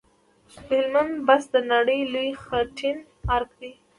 د هلمند بست د نړۍ لوی خټین ارک دی